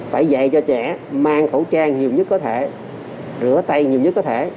phải dạy cho trẻ mang khẩu trang nhiều nhất có thể rửa tay nhiều nhất có thể